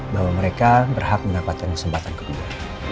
bahwa mereka berhak mendapatkan kesempatan kedua